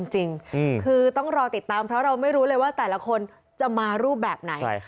จริงคือต้องรอติดตามเพราะเราไม่รู้เลยว่าแต่ละคนจะมารูปแบบไหน